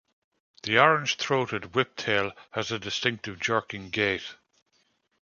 The orange-throated whiptail has a distinctive, jerking gait.